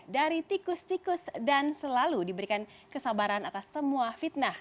dari tikus tikus dan selalu diberikan kesabaran atas semua fitnah